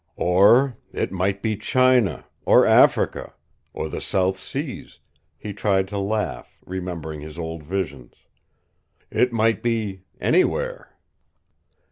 "Or it might be China, or Africa, or the South Seas," he tried to laugh, remembering his old visions. "It might be anywhere."